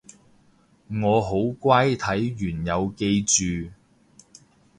我好乖睇完有記住